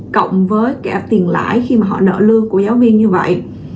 cộng với tiền lãi khi họ nợ lương của giáo viên như vậy